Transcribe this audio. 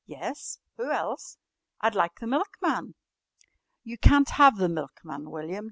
"Yes? Who else?" "I'd like the milkman." "You can't have the milkman, William.